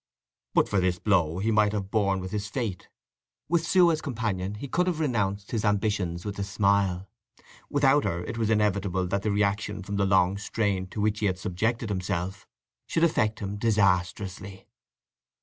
But for this blow he might have borne with his fate. With Sue as companion he could have renounced his ambitions with a smile. Without her it was inevitable that the reaction from the long strain to which he had subjected himself should affect him disastrously.